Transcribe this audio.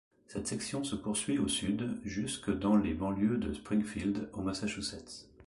Cette section se poursuit au sud jusque dans les banlieues de Springfield, au Massachusetts.